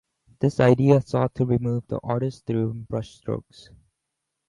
This idea sought to remove the artist through brushstrokes.